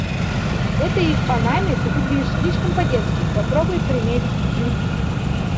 В этой панаме ты выглядишь слишком по-детски. Попробуй примерить другие.